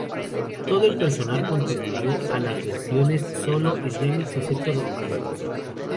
Todo el personal contribuyó a las versiones solo y remix, excepto donde se indique.